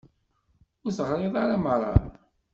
Ur t-ɣriɣ ara merra.